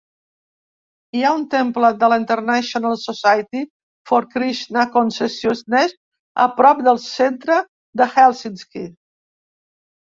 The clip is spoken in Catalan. Hi ha un temple de la International Society for Krishna Consciousness a prop del centre de Hèlsinki.